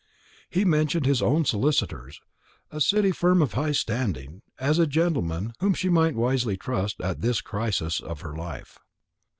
He mentioned his own solicitors, a City firm of high standing, as gentlemen whom she might wisely trust at this crisis of her life.